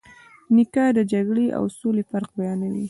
نیکه د جګړې او سولې فرق بیانوي.